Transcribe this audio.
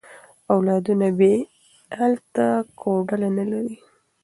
اولادونه یې هلته کوډله نه لري.